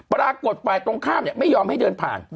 ปรากฏฝ่ายตรงข้ามไม่ยอมให้เดินผ่าน